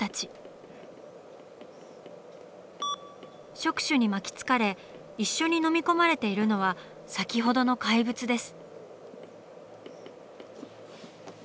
触手に巻きつかれ一緒にのみ込まれているのは先ほどの怪物です。